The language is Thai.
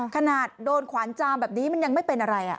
ขนาดโดนขวานจามแบบนี้มันยังไม่เป็นอะไร